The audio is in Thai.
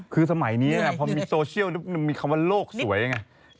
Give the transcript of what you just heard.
คือสมัยนี้พอมีโซเชียลมีคำว่าโลกสวยไง